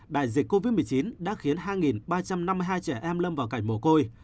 đại dịch covid một mươi chín đã khiến hai ba trăm năm mươi hai trẻ em lâm vào cảnh mồ côi